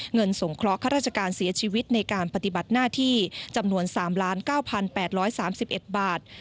สงเคราะห้าราชการเสียชีวิตในการปฏิบัติหน้าที่จำนวน๓๙๘๓๑บาท